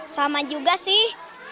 sama juga sih